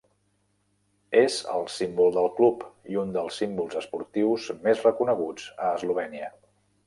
És el símbol del club i un dels símbols esportius més reconeguts a Eslovènia.